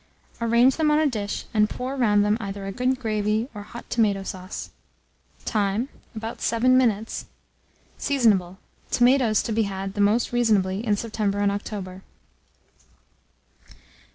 Arrange them on a dish, and pour round them either a good gravy or hot tomato sauce. Time. About 7 minutes. Seasonable. Tomatoes to be had most reasonably in September and October.